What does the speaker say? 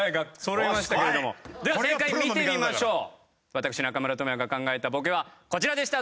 私中村倫也が考えたボケはこちらでした。